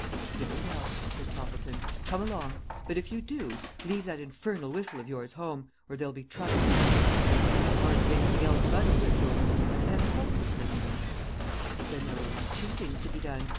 "Very well," said Toppleton. "Come along. But if you do, leave that infernal whistle of yours home, or there'll be trouble." "I'm hardly anything else but a whistle. I can't help whistling, you know." "Then there are only two things to be done.